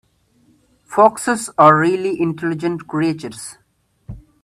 Foxes are really intelligent creatures.